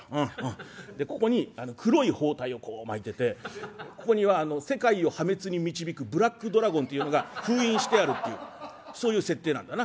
でここに黒い包帯を巻いててここには世界を破滅に導くブラックドラゴンというのが封印してあるっていうそういう設定なんだな。